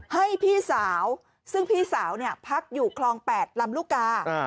ให้พี่สาวซึ่งพี่สาวพักอยู่คลอง๘ลำลูกกา